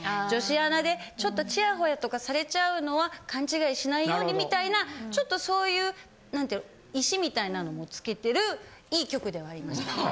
女子アナでちょっとチヤホヤとかされちゃうのは勘違いしないようにみたいなちょっとそういうなんていう石みたいなのも付けてるいい局ではありました。